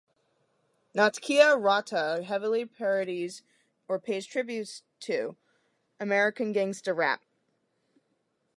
Notkea Rotta heavily parodies - or pays tribute to - American gangsta rap.